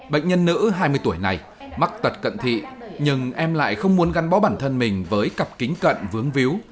bệnh nhân nữ hai mươi tuổi này mắc tật cận thị nhưng em lại không muốn gắn bó bản thân mình với cặp kính cận vướng víu